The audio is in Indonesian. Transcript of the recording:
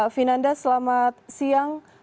vinanda selamat siang